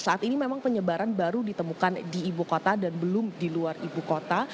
saat ini memang penyebaran baru ditemukan di ibu kota dan belum di luar ibu kota